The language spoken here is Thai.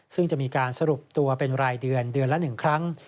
ซึ่งจะมีการสรุปตัวเป็นรายเดือนเดือนละ๑ครั้ง